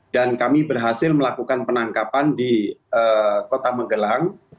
dan kami berhasil melakukan penangkapan di kota magelang